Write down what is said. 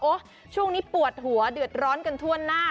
ช่วงนี้ปวดหัวเดือดร้อนกันทั่วหน้า